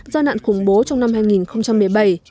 do nạn khủng bố trong năm hai nghìn một mươi bảy